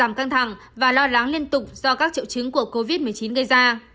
giảm căng thẳng và lo lắng liên tục do các triệu chứng của covid một mươi chín gây ra